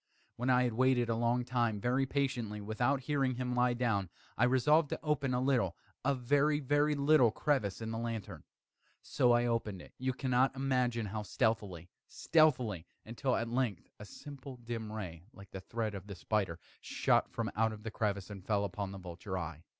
When I had waited a long time, very patiently, without hearing him lie down, I resolved to open a little a very, very little crevice in the lantern. So I opened it you cannot imagine how stealthily, stealthily until, at length a simple dim ray, like the thread of the spider, shot from out the crevice and fell full upon the vulture eye.